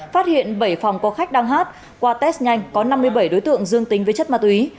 phát hiện bảy phòng có khách đang hát qua test nhanh có năm mươi bảy đối tượng dương tính với chất ma túy